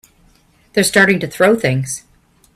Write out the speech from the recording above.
They're starting to throw things!